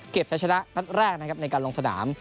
จะชนะนัดแรกนะครับในการลงสนาม